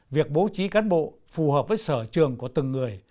việc bố trí cán bộ phù hợp với sở trường của từng người